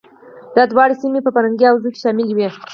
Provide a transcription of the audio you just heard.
دا دواړه سیمې په فرهنګي حوزه کې شاملې وې.